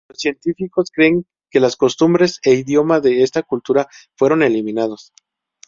Los científicos creen que las costumbres e idioma de esta cultura fueron eliminados.